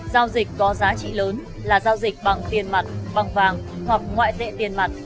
giao dịch có giá trị lớn là giao dịch bằng tiền mặt bằng vàng hoặc ngoại tệ tiền mặt